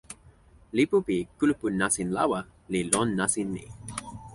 lipu pi kulupu nasin lawa li lon nasin ni.